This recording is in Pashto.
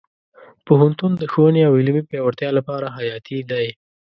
پوهنتون د ښوونې او علمي پیاوړتیا لپاره حیاتي دی.